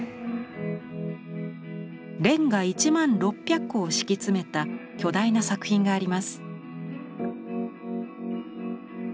レンガ１万６００個を敷き詰めた巨大な作品があります。